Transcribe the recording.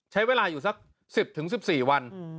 ใช้เวลาอยู่สัก๑๐๑๔วัน